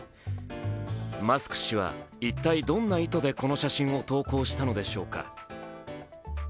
マスク氏は一体どんな意図でこの写真を投稿したのでしょうか。